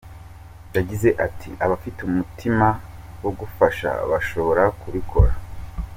Yagize ati “Abafite umutima wo gufasha bashobora kubikora.